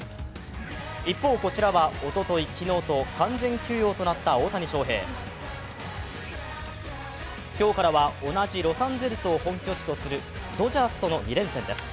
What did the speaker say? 一方、こちらはおととい、昨日と完全休養となった大谷翔平。今日からは同じロサンゼルスを本拠地とするドジャースとの２連戦です。